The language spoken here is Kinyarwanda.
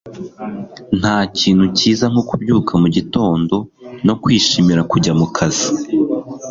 nta kintu cyiza nko kubyuka mu gitondo no kwishimira kujya mu kazi